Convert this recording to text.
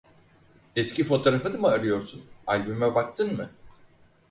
Eski fotoğrafını mı arıyorsun, albüme baktın mı?